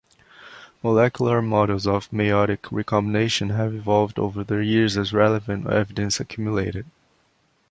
Molecular models of meiotic recombination have evolved over the years as relevant evidence accumulated.